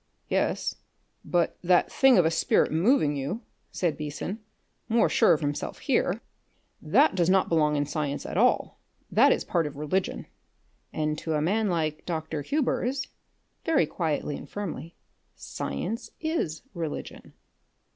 "Yes, but that thing of a spirit moving you," said Beason, more sure of himself here, "that does not belong in science at all; that is a part of religion." "And to a man like Dr. Hubers" very quietly and firmly "science is religion."